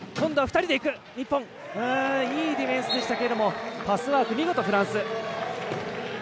いいディフェンスでしたがパスワーク見事、フランス。